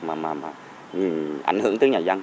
mà ảnh hưởng tới nhà dân